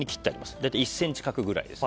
大体１ｃｍ角ぐらいです。